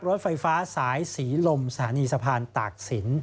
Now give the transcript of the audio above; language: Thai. รถไฟฟ้าสายสีลมสถานีสะพานตากศิลป